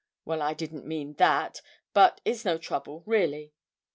Well, I didn't mean that; but it's no trouble, really.'